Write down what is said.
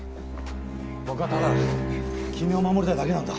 僕はただ君を守りたいだけなんだ。